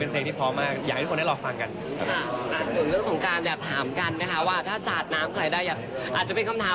ตเรียงอรับฟ้องกันทั้งเดียว